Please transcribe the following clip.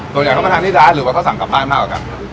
ต้องมาทานที่ร้านหรือว่าเขาสั่งกลับบ้านมากกว่ากัน